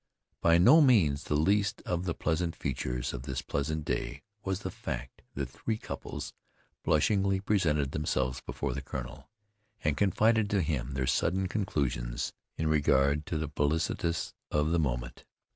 By no means the least of the pleasant features of this pleasant day was the fact that three couples blushingly presented themselves before the colonel, and confided to him their sudden conclusions in regard to the felicitousness of the moment.